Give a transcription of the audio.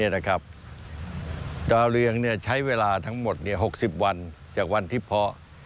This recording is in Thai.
ดาวเรืองใช้เวลาทั้งหมด๖๐วันจากวันที่เพาะ